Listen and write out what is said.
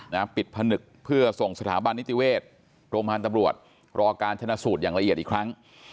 ปิดผนึกเพื่อส่งสถาบันนิติเวชโรงพยาบาลตำรวจรอการชนะสูตรอย่างละเอียดอีกครั้ง